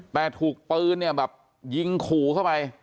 แต่ถูกปืนเนี่ยแบบยิงขู่เข้าไป